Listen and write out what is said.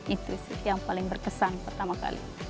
itu sih yang paling berkesan pertama kali